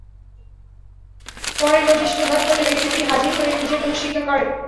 পরে নোটিশ প্রদান করলে ব্যক্তিটি হাজির হয়ে নিজের দোষ স্বীকার করেন।